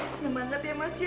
senang banget ya mas ya